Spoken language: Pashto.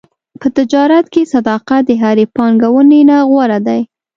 په تجارت کې صداقت د هرې پانګونې نه غوره دی.